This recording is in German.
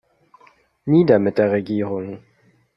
Nieder mit der Regierung!